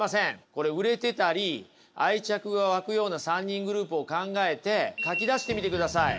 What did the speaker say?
これ売れてたり愛着が湧くような３人グループを考えて書き出してみてください。